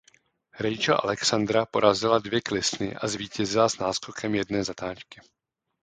Rachel Alexandra porazila dvě klisny a zvítězila s náskokem jedné zatáčky.